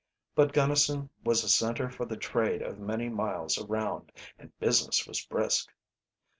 But Gunnison was a center for the trade of many miles around, and business was brisk.